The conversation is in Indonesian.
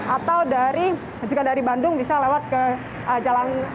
atau jika dari bandung bisa lewat ke jalan